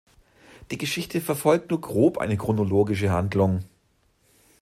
Die Geschichte verfolgt nur grob eine chronologische Handlung.